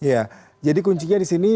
ya jadi kuncinya di sini